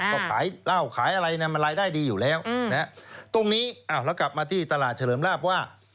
ก็ขายเหล้าขายอะไรนะมันรายได้ดีอยู่แล้วตรงนี้อ้าวแล้วกลับมาที่ตลาดเฉลิมลาบว่า